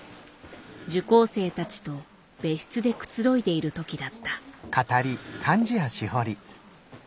受講生たちと別室でくつろいでいる時だった。